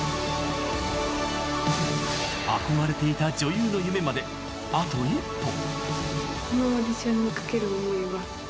憧れていた女優の夢まであと一歩。